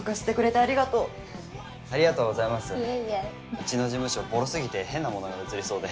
うちの事務所ボロすぎて変なものが映りそうで。